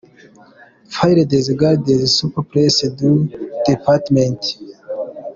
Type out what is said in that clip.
Faire des gardes, sur place du département ;.